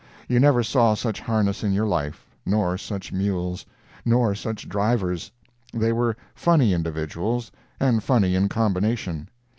You never saw such harness in your life, nor such mules, nor such drivers. They were funny individually and funny in combination.